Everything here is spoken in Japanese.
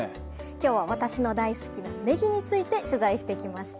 今日は私の大好きなねぎについて取材してきました。